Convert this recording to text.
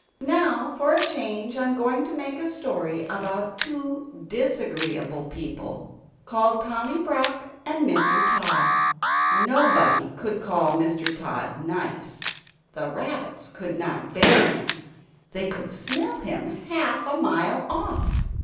Now, for a change, I am going to make a story about two disagreeable people, called Tommy Brock and Mr. Tod. Nobody could call Mr. Tod "nice." The rabbits could not bear him; they could smell him half a mile off.